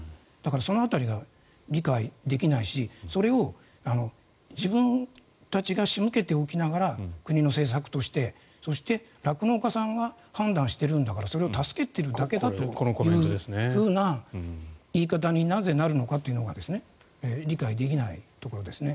その辺りが理解できないしそれを自分たちが仕向けておきながら国の政策として、そして酪農家さんが判断してるんだからそれを助けてるだけだという言い方になぜ、なるのかというのが理解できないところですね。